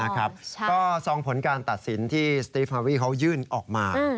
ก็ทรงผลการตัดสินที่สติฟฮาวียยื่นออกมา